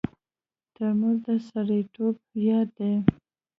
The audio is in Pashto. ترموز د سړیتوب یاد دی.